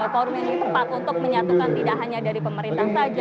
forum ini tepat untuk menyatukan tidak hanya dari pemerintah saja